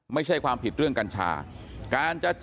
ไม่ใช่ความผิดเรื่องกัญชา